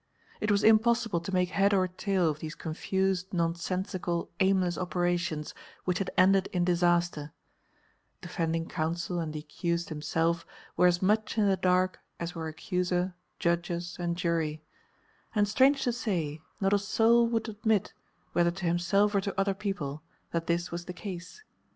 It was impossible to make head or tail of these confused, nonsensical, aimless operations which had ended in disaster; defending counsel and the accused himself were as much in the dark as were accuser, judges, and jury, and strange to say, not a soul would admit, whether to himself or to other people, that this was the case.